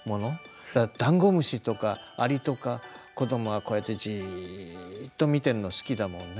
ダンゴムシとかアリとか子どもはこうやってじっと見てるの好きだもんね。